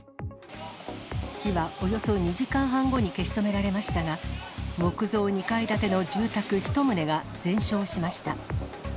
火はおよそ２時間半後に消し止められましたが、木造２階建ての１棟が全焼しました。